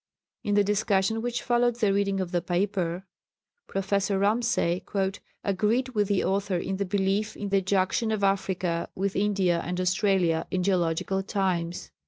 In the discussion which followed the reading of the paper, Professor Ramsay "agreed with the author in the belief in the junction of Africa with India and Australia in geological times."